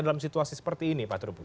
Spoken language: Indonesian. dalam situasi seperti ini pak trubu